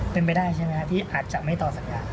เป็นไปได้ใช่ไหมครับที่อาจจะไม่ต่อสัญญา